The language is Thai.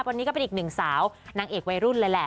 วันนี้ก็เป็นอีกหนึ่งสาวนางเอกวัยรุ่นเลยแหละ